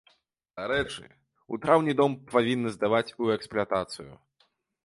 Дарэчы, у траўні дом павінны здаваць у эксплуатацыю.